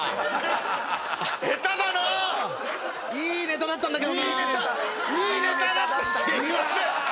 いいネタだったんだけどなぁ。